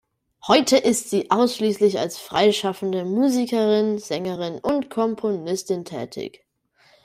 Heute ist sie ausschließlich als freischaffende Musikerin, Sängerin und Komponistin tätig.